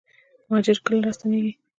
مهاجر کله راستنیږي؟